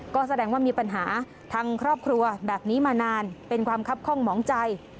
ก็แสดงว่ามีปัญหาทางครอบครัวแบบนี้มานานเป็นความคับคล่องหมองใจ